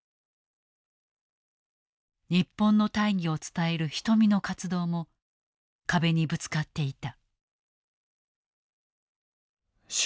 日本の大義を伝える人見の活動も壁にぶつかっていた。